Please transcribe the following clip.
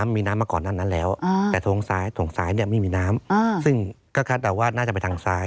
มีน้ำมาก่อนหน้านั้นแล้วแต่โถงซ้ายไม่มีน้ำซึ่งก็คาดเดาว่าน่าจะไปทางซ้าย